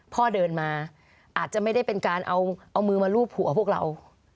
พ่อเดินมาอาจจะไม่ได้เป็นการเอามือมาลูบหัวพวกเรา